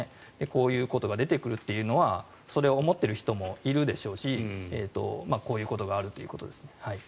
こういうことが出てくるというのはそれを思っている人もいるでしょうしこういうことがあるということです。